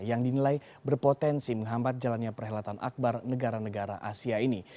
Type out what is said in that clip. yang dinilai berpotensi menghambat jalannya perhelatan akbar negara negara asia ini